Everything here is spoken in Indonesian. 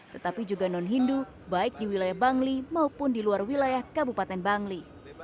tetapi juga non hindu baik di wilayah bangli maupun di luar wilayah kabupaten bangli